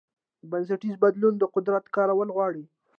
بنسټیز بدلون د قدرت کارول غواړي.